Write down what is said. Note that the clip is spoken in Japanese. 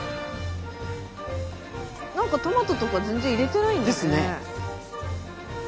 何かトマトとか全然入れてないんだね。ですね。